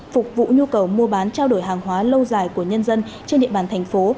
phục vụ nhu cầu mua bán trao đổi hàng hóa lâu dài của nhân dân trên địa bàn thành phố